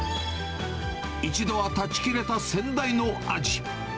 一度は絶ちきれた先代の味。